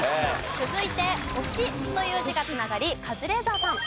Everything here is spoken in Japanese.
続いて「星」という字が繋がりカズレーザーさん。